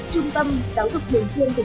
trung tâm giáo dục hình xuyên của bình thuốc